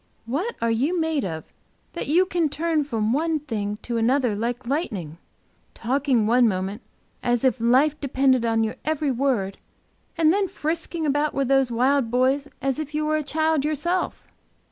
What are you made of that you can turn from one thing to another like lightning? Talking one moment as if life depended on your every word, and then frisking about with those wild boys as if you were a child yourself?"